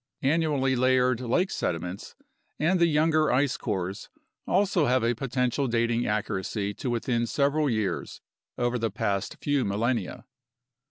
Annually layered lake sediments and the younger ice cores also have a potential dating accuracy to within several years over the past few millenia.